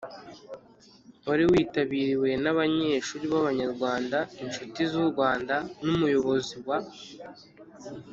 wari witabiriwe n abanyeshuri b Abanyarwanda inshuti z u Rwanda n Umuyobozi wa